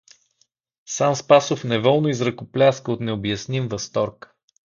Сам Спасов неволно изръкопляска от необясним възторг.